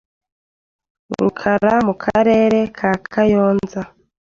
Rukara mu karere ka Kayonza